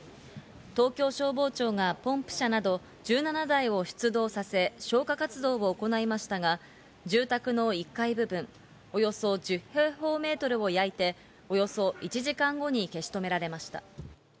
東京消防庁がポンプ車など１７台を出動させ、消火活動を行いましたが、住宅の１階部分、およそ１０平方メートルを焼いて、およそ１時間後に消し止められました。